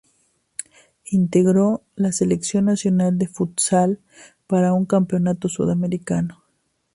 Integró la Selección Nacional de Futsal para un Campeonato Sudamericano.